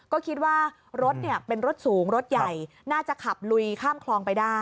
ก็คิดว่ารถเป็นรถสูงรถใหญ่น่าจะขับลุยข้ามคลองไปได้